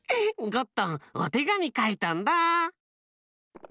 ゴットンおてがみかいたんだ。